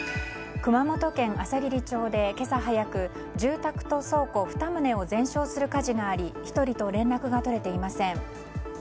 熊本県あさぎり町で今朝早く住宅と倉庫２棟を全焼する火事があり１人と連絡が取れていません。